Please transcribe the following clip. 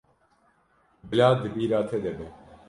Bila di bîra te de be.